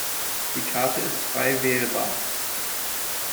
Die Karte ist frei wählbar.